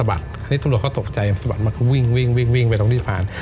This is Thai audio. อันนี้ตำรวจเขาตกใจสะบัดมันก็วิ่งวิ่งไปตรงที่สะพาน